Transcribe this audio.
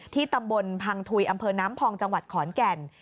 ตำบลพังทุยอำเภอน้ำพองจังหวัดขอนแก่น